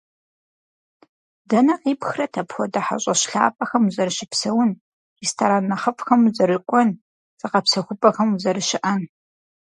Дэнэ къипхрэт апхуэдэ хьэщӀэщ лъапӀэхэм узэрыщыпсэун, ресторан нэхъыфӀхэм узэрыкӀуэн, зыгъэпсэхупӀэхэм узэрыщыӀэн?